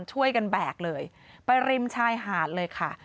ช่วยกันแบกเลยไปริมชายหาดเลยค่ะ